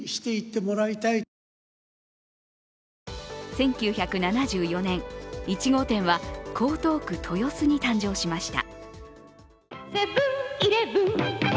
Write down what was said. １９７４年、１号店は江東区豊洲に誕生しました。